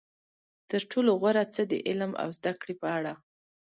تر ټولو غوره څه د علم او زده کړې په اړه.